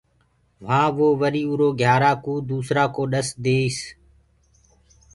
وهآنٚ وو وري اُرو گھيِآرآ ڪوُ دوسرآ ڪو ڏس ديس۔